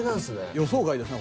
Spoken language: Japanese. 予想外ですね